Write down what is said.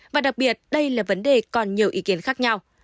và đặc biệt đây là vấn đề còn nhiều ý kiến khác nhau